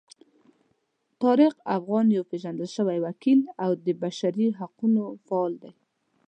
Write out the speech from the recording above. طارق افغان یو پیژندل شوی وکیل او د بشري حقونو فعال دی.